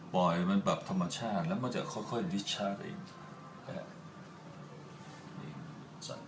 ปล่อยมันแบบธรรมชาติแล้วมันจะค่อยวิชชาติเอง